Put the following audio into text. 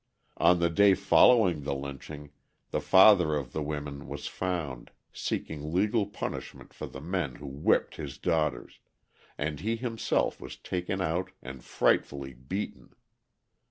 On the day following the lynching the father of the women was found seeking legal punishment for the men who whipped his daughters, and he himself was taken out and frightfully beaten.